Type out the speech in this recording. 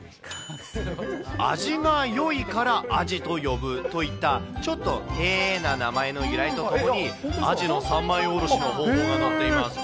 味がよいからアジと呼ぶといったちょっとへぇな名前の由来とともに、アジの三枚下ろしの方法が載っています。